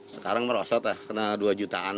sekarang merosot lah kena dua jutaan